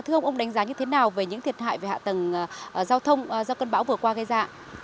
thưa ông ông đánh giá như thế nào về những thiệt hại về hạ tầng giao thông do cơn bão vừa qua gây ra